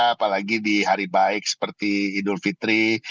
apalagi di hari baik seperti idul fitri